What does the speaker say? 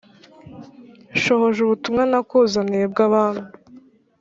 nshohoje ubutumwa nakuzaniye bw'abami